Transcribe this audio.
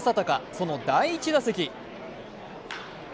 その第１打席。